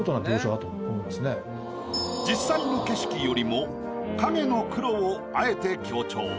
実際の景色よりも影の黒をあえて強調。